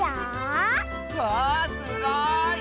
わあすごい！